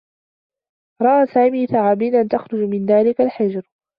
رأى سامي ثعابينا تخرج من ذلك الجحر.